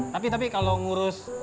tapi tapi kalau ngurus